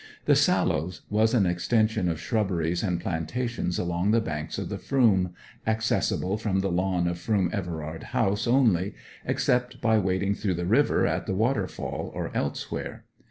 The Sallows was an extension of shrubberies and plantations along the banks of the Froom, accessible from the lawn of Froom Everard House only, except by wading through the river at the waterfall or elsewhere.